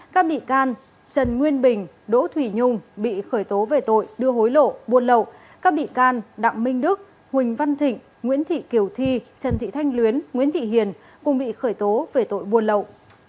các bị can trần nguyên bình đỗ thủy nhung bị khởi tố về tội đưa hối lộ buôn lậu các bị can đặng minh đức huỳnh văn thịnh nguyễn thị kiều thi trần thị thanh luyến nguyễn thị hiền cũng bị khởi tố về tội buôn lậu